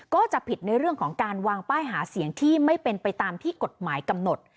ก็จะผิดในเรื่องของการวางป้ายหาเสียงที่ไม่เป็นไปตามที่กฎหมายกำหนด